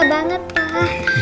aku suka banget pak